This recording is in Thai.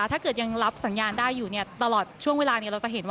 มันจะห้อยยังรับสัญญาณได้อยู่ตลอดช่วงเวลานี้